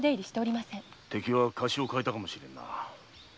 敵は河岸を変えたかもしれんな。